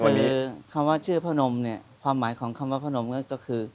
คือคำว่าชื่อพนมเนี่ยความหมายของคำว่าพนมก็คือ